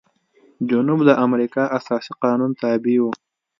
جنوب د امریکا اساسي قانون تابع و.